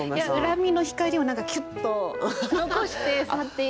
恨みの光をキュッと残して去っていくみたいな。